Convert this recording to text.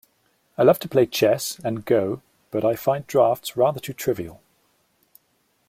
I love to play chess and go, but I find draughts rather too trivial